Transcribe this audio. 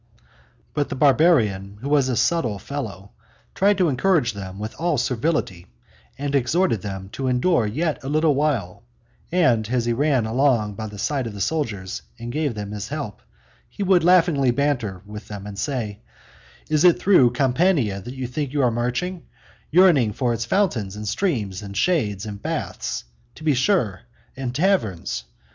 But the Barbarian, who was a subtle fellow, tried to encourage them with all servility, and exhorted them to endure yet a little while, and as he ran along by the side of the soldiers and gave them his help, he would laughingly banter them and say: "Is it through Campania that you think you are marching, yearning for its fountains and streams and shades and baths (to be sure!) and taverns?